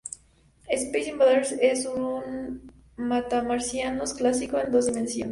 Space Invaders es un matamarcianos clásico en dos dimensiones.